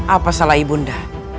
apa salah ibu anda